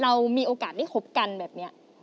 เรามีโอกาสได้คบกันแบบนี้